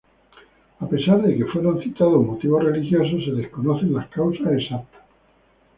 A pesar de que fueron citados motivos religiosos se desconocen las causas exactas.